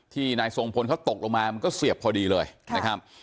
นายทรงพลเขาตกลงมามันก็เสียบพอดีเลยนะครับ